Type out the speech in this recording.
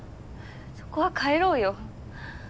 そこは帰ろうよ。